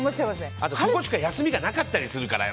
あと、そこしか休みがなかったりするから。